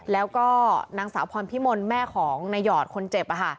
แล้วก็นางสาวพรพิมลแม่ของนายหอดคนเจ็บ